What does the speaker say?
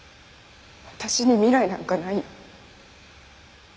私に未来なんかないよ。